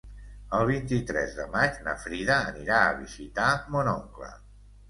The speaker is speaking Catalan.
El vint-i-tres de maig na Frida anirà a visitar mon oncle.